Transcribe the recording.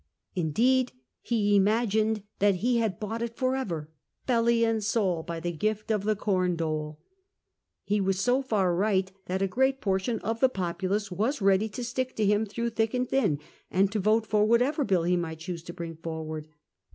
Indeed, he imagined that he had bought it for ever, belly and soul, by the gift of the corn dole. He was so far right that a great portion of the populace was ready to stick to him through thick and thin, and to vote for whatever bill he might chose to bring forward.